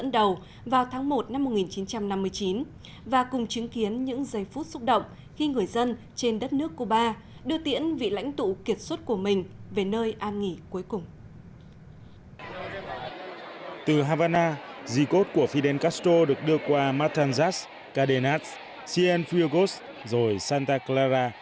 từ la habana dì cốt của fidel castro được đưa qua matanzas cadenas cienfugos rồi santa clara